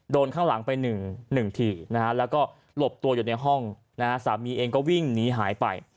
ข้างหลังไป๑ทีนะฮะแล้วก็หลบตัวอยู่ในห้องนะฮะสามีเองก็วิ่งหนีหายไป